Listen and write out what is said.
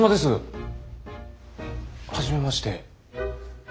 初めまして。